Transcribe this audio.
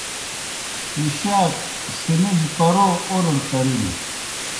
مُشاک سِنِجیْ پرَو اورَڑ ترِلوْ۔